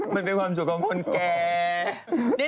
มันเป็นความสุขของคนแก่